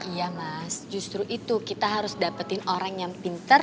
iya mas justru itu kita harus dapetin orang yang pinter